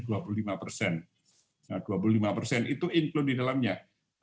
ada ya penonton ya nakes ya panpil ya petugas ya penonton ya nakes ya penonton ya petugas ya penonton ya presiden ya presiden